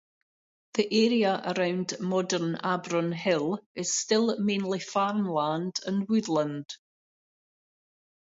The area around modern Abronhill is still mainly farmland and woodland.